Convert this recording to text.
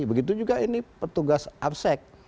begitu juga ini petugas absek